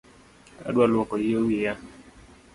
Adwa luoko yie wiya